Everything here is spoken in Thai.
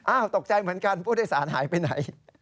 ตกใจเหมือนกันผู้โดยสารหายไปไหน